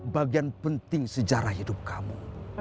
bagian penting sejarah hidup kamu